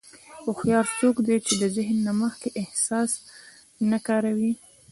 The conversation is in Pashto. هوښیار څوک دی چې د ذهن نه مخکې احساس نه کاروي.